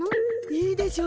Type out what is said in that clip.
いいでしょ？